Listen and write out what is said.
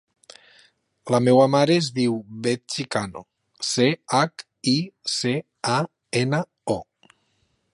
La meva mare es diu Bet Chicano: ce, hac, i, ce, a, ena, o.